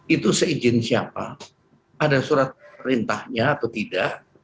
itu seizin siapa ada surat perintahnya atau tidak